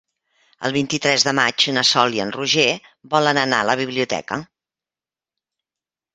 El vint-i-tres de maig na Sol i en Roger volen anar a la biblioteca.